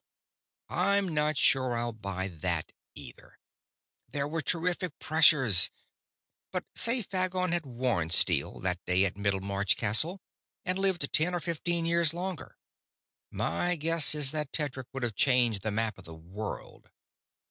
"_ _"I'm not sure I'll buy that, either. There were terrific pressures ... but say Phagon had worn steel, that day at Middlemarch Castle, and lived ten or fifteen years longer? My guess is that Tedric would have changed the map of the world.